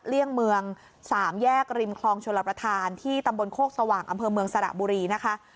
เลี่ยงเมือง๓แยกริมคลองชลประธานที่ตำบลโคกสว่างอำเภอเมืองสระบุรีนะคะ